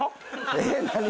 えっ何？